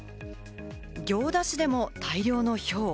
行田市でも大量のひょう。